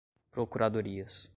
procuradorias